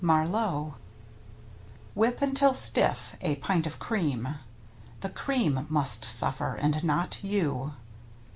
— Marlowe. Whip until stiff a pint of cream (The cream must suffer, and not you!)